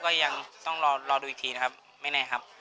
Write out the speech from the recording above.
ก็ยังต้องรอดูอีกทีนะครับไม่แน่ครับ